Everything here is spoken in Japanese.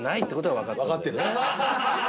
わかってる。